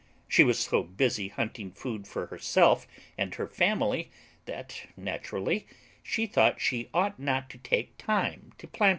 She was so busy hunting food for herself and her family that, naturally, she thought she ought not to take time to plant it.